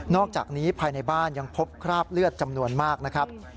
อกจากนี้ภายในบ้านยังพบคราบเลือดจำนวนมากนะครับ